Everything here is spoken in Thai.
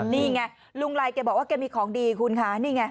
นี่ไงรุงไลว์เธอบอกว่าเธอมีของดีคุณค้า